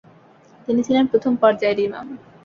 তিনি ছিলেন প্রথম পর্যায়ের ইমাম।